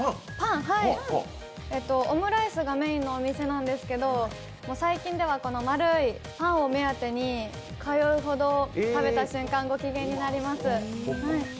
オムライスがメインのお店なんですけど最近では丸いパンを目当てに通うほど、食べた瞬間ごきげんになります。